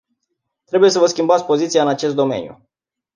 Trebuie să vă schimbați poziția în acest domeniu.